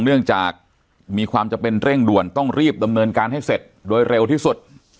เนื่องจากมีความจำเป็นเร่งด่วนต้องรีบดำเนินการให้เสร็จโดยเร็วที่สุด